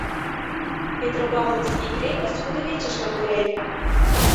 Петропавловский крепость кудывечышке пурен.